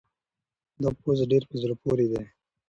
دا پوسټ ډېر په زړه پورې دی.